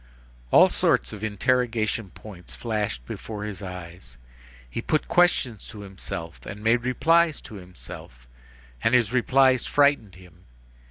All sorts of interrogation points flashed before his eyes. He put questions to himself, and made replies to himself, and his replies frightened him.